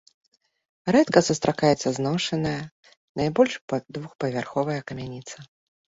Рэдка сустракаецца зношаная, найбольш двухпавярховая камяніца.